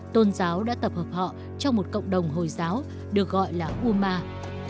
tôn giáo đã tập hợp họ trong một cộng đồng hồi giáo được gọi là umar